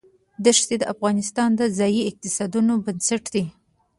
دښتې د افغانستان د ځایي اقتصادونو بنسټ دی.